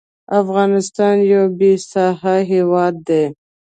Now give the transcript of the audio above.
افغانستان یو بېساحله هېواد دی.